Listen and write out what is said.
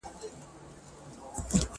جنت د نیکو خلګو ځای دی.